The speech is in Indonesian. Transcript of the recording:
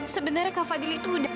sebenarnya kak fadil itu udah